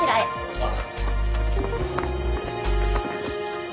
ああ。